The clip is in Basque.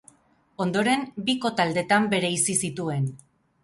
Ondoren, biko taldetan bereizi zituen.